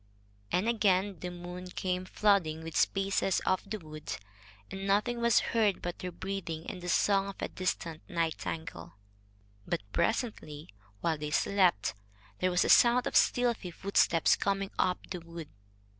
And again the moon came flooding the spaces of the wood, and nothing was heard but their breathing and the song of a distant nightingale. But presently while they slept there was a sound of stealthy footsteps coming up the wood.